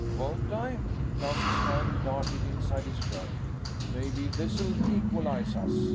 "Won't I?" Lance's hand darted inside his shirt. "Maybe this'll equalize us."